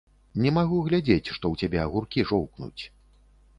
Не магу глядзець, што ў цябе агуркі жоўкнуць.